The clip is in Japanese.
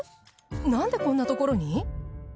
なんでこんなところに？